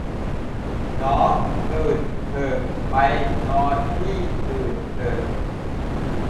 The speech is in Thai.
น้อง ตื่น เถอะ ไป นอน ที่ อื่น เถอะ